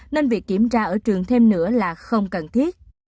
nên việc kiểm tra ở trường thêm nữa là không cần thiết